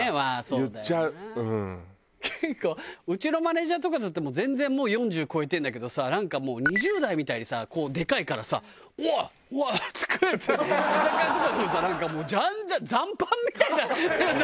結構うちのマネージャーとかだと全然もう４０超えてんだけどさなんかもう２０代みたいにさでかいからさ「おい！おい！食え！」って居酒屋とかでもさなんかもうジャンジャン残飯みたいなの。